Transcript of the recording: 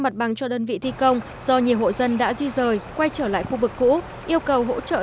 mặt bằng cho đơn vị thi công do nhiều hộ dân đã di rời quay trở lại khu vực cũ yêu cầu hỗ trợ